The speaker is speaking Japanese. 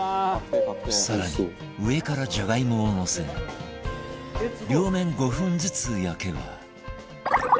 更に上からじゃがいもをのせ両面５分ずつ焼けば